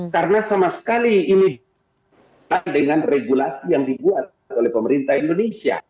karena sama sekali ini dengan regulasi yang dibuat oleh pemerintah indonesia